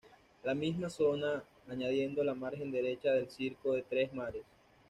La misma zona, añadiendo la margen derecha del circo de Tres Mares.